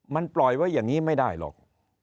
มันปล่อยไว้อย่างนี้ไม่ได้หรอก